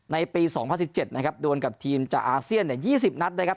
ในปี๒๐๑๗นะครับโดนกับทีมจากอาเซียน๒๐นัดนะครับ